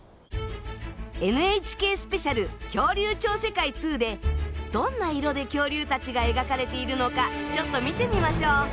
「ＮＨＫスペシャル恐竜超世界２」でどんな色で恐竜たちが描かれているのかちょっと見てみましょう。